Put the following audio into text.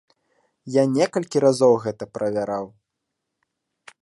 Я некалькі разоў гэта правяраў.